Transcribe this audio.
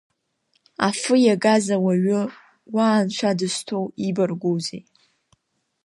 Афы иагаз ауаҩы Уа, анцәа дызҭоу ибаргәузеи!